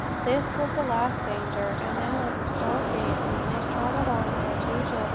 This was the last danger; and now with restored gaiety Meg travelled on with her two children.